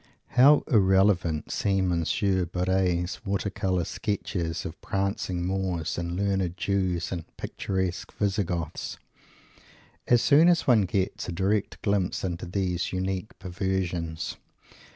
How irrelevant seem Monsieur Barres' water colour sketches of prancing Moors and learned Jews and picturesque Visi Goths, as soon as one gets a direct glimpse into these unique perversions!